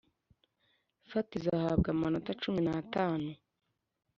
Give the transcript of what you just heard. Fatizo ahabwa amanota cumi n atanu